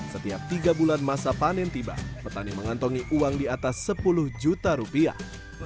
setiap tiga bulan masa panen tiba petani mengantongi uang di atas sepuluh juta rupiah